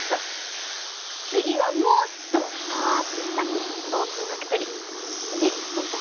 次はもっとパワーアップしたオープンファクトリーやりませんか？